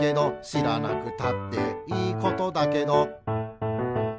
「しらなくたっていいことだけど」